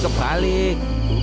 eh kebalik kebalik